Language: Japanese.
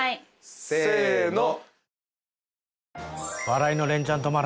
せの！